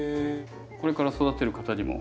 これから育てる方にも。